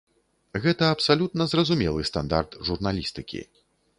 Гэта абсалютна зразумелы стандарт журналістыкі.